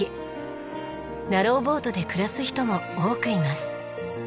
ナローボートで暮らす人も多くいます。